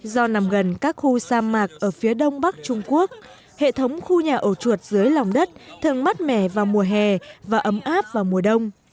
do nằm gần các khu sa mạc ở phía đông bắc trung quốc hệ thống khu nhà ổ chuột dưới lòng đất thường mắt mẻ vào mùa hè và ấm áp vào mùa đông